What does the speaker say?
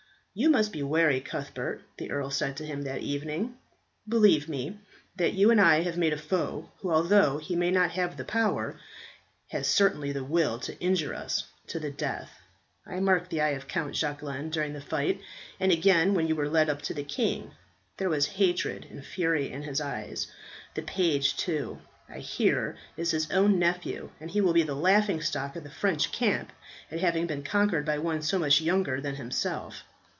"You must be wary, Cuthbert," the earl said to him that evening. "Believe me that you and I have made a foe, who, although he may not have the power, has certainly the will to injure us to the death. I marked the eye of Count Jacquelin during the fight, and again when you were led up to the king. There was hatred and fury in his eye. The page too, I hear, is his own nephew, and he will be the laughing stock of the French camp at having been conquered by one so much younger than himself.